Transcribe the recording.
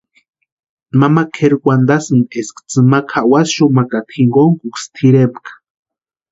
Mama kʼeri wantasïnti eska tsʼïma kʼawasï xumakata jinkontkusï tʼirempka.